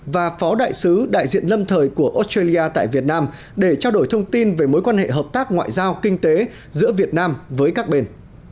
và phó đại sứ đại diện lâm thời của australia tại việt nam để trao đổi thông tin về mối quan hệ hợp tác ngoại giao kinh tế giữa việt nam với các bên